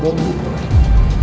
ibu canggus kita